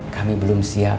kami belum siap